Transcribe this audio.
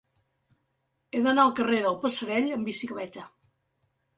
He d'anar al carrer del Passerell amb bicicleta.